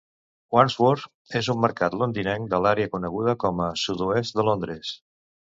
Wandsworth és un mercat londinenc de l'àrea coneguda com a Sud-oest de Londres.